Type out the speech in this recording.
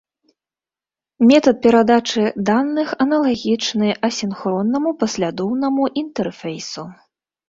Метад перадачы даных аналагічны асінхроннаму паслядоўнаму інтэрфейсу.